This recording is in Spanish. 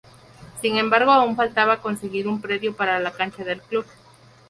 Sin embargo aún faltaba conseguir un predio para la cancha del club.